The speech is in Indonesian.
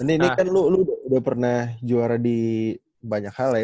ini kan lu lo udah pernah juara di banyak hal ya